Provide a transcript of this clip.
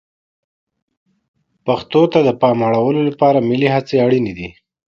پښتو ته د پام اړولو لپاره ملي هڅې اړینې دي.